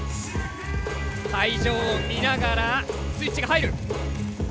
会場を見ながらスイッチが入る。